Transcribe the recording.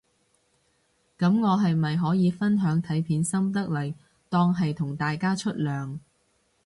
噉我係咪可以分享睇片心得嚟當係同大家出糧